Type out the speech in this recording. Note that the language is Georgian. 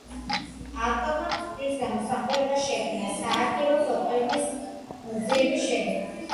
ავტორმა მწერლის გამოსახულება შექმნა საარქივო ფოტოების მოძიების შედეგად.